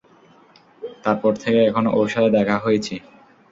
তার পর থেকে এখন ওর সাথে দেখা হয়েছে।